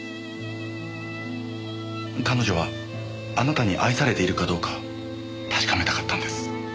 彼女はあなたに愛されているかどうか確かめたかったんです。